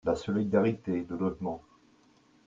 la solidarité, le logement.